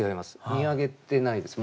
見上げてないです。